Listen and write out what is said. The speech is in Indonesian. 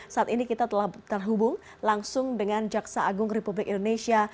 saat ini kita telah terhubung langsung dengan jaksa agung republik indonesia